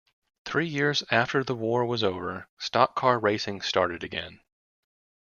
Three years after the war was over stock car racing started again.